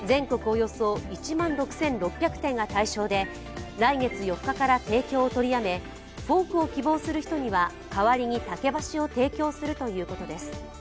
およそ１万６６００店が対象で来月４日から提供を取りやめフォークを希望する人には代わりに竹箸を提供するということです。